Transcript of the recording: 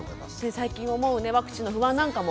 最近はもうねワクチンの不安なんかも。